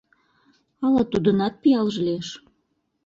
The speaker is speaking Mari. ала тудынат пиалже лиеш.